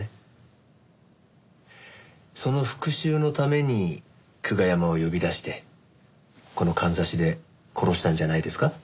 その復讐のために久我山を呼び出してこのかんざしで殺したんじゃないですか？